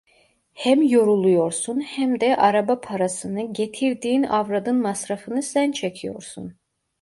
Hem yoruluyorsun hem de araba parasını, getirdiğin avradın masrafını sen çekiyorsun.